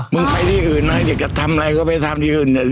มึงไปที่อื่นนะอยากจะทำอะไรก็ไปทำที่อื่นเนี่ย